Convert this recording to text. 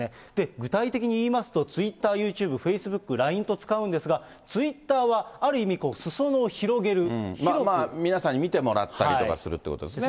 具体的に言いますと、ツイッター、ユーチューブ、フェイスブック、ＬＩＮＥと使うんですが、ツイッターは、ある意味、すそ野を広げ皆さんに見てもらったりとかするということですね。